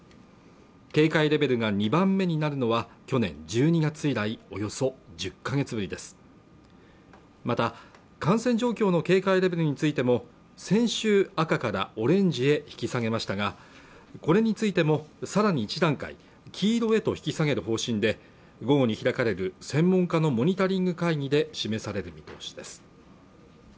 警戒レベルが２番目になるのは去年１２月以来およそ１０か月ぶりですまた感染状況の警戒レベルについても先週赤からオレンジへ引き下げましたがこれについてもさらに１段階黄色へと引き下げる方針で午後に開かれる専門家のモニタリング会議で示される見通しです